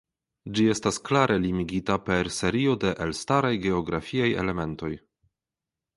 Ĝi estas klare limigita per serio de elstaraj geografiaj elementoj.